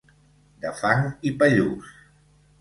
De fang i pallús.